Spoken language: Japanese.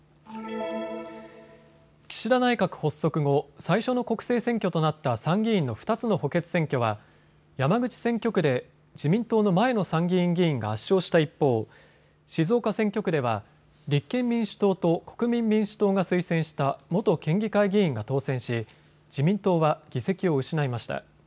岸田内閣発足後、最初の国政選挙となった参議院の２つの補欠選挙は山口選挙区で自民党の前の参議院議員が圧勝した一方、静岡選挙区では立憲民主党と国民民主党が推薦した元県議会議員が当選し自民党は議席を失いました。